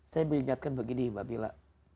saya mengingatkan begini mbak bila